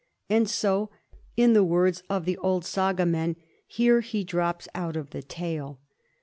And so, in the words of the old Saga men, here he drops out of the tale.